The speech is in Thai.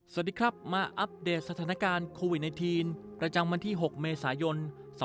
สวัสดีครับมาอัปเดตสถานการณ์โควิด๑๙ประจำวันที่๖เมษายน๒๕๖๒